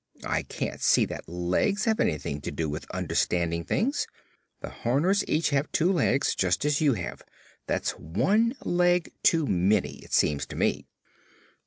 I can't see that legs have anything to do with understanding things. The Horners each have two legs, just as you have. That's one leg too many, it seems to me."